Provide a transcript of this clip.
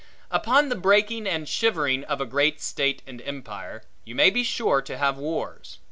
Upon the breaking and shivering of a great state and empire, you may be sure to have wars.